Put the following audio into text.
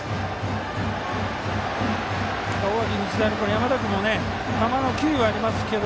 大垣日大も、山田君も球の球威はありますけど